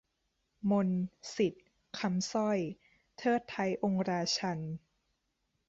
มนต์-สิทธิ์-คำสร้อย :'เทิดไท้องค์ราชันย์'